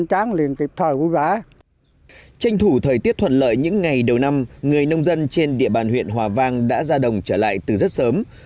tranh thủ thời tiết thuận lợi những ngày đầu năm người nông dân trên địa bàn huyện hòa vang đã ra đồng trở lại từ rất sớm